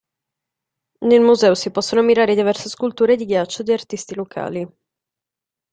Nel museo si possono ammirare diverse sculture di ghiaccio di artisti locali.